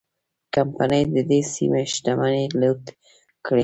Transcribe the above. کمپنۍ د دې سیمې شتمنۍ لوټ کړې.